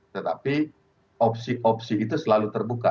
tetapi opsi opsi itu selalu terbuka